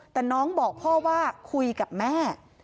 แต่น้องบอกพ่อว่าคุยกับแม่